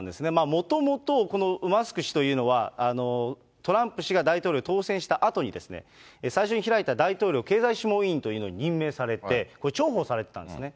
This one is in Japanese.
もともとこのマスク氏というのは、トランプ氏が大統領当選したあとに、最初に開いた大統領経済諮問委員というのに任命されて、これ、重宝されてたんですね。